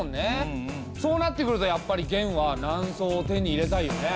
そうなってくるとやっぱり元は南宋を手に入れたいよね。